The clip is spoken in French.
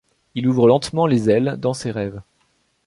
Il ouvre lentement les ailes dans ces rêves